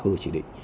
không được chỉ định